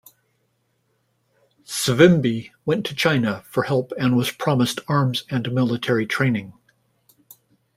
Savimbi went to China for help and was promised arms and military training.